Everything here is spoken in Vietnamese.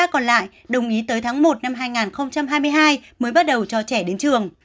ba còn lại đồng ý tới tháng một năm hai nghìn hai mươi hai mới bắt đầu cho trẻ đến trường